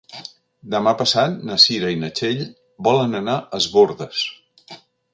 Demà passat na Cira i na Txell volen anar a Es Bòrdes.